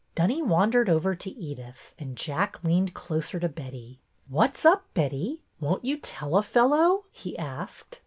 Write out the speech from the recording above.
Dunny wandered over to Edyth, and Jack leaned closer to Betty. ''What's up, Betty? Won't you tell a fel low ?" he asked.